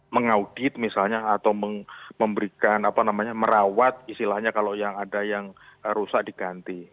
mengaudit misalnya atau memberikan apa namanya merawat istilahnya kalau yang ada yang rusak diganti